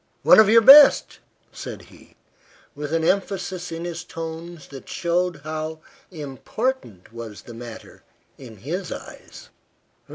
"One of your best," said he, with an emphasis in his tones that showed how important was the matter in his eyes.